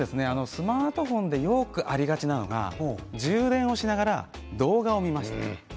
スマートフォンやりがちなのが充電をしながら動画を見ました。